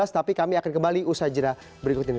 tapi kami akan kembali usaha jenah berikut ini